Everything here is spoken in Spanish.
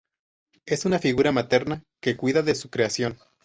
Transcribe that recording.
Es una figura materna, que cuida de su creación.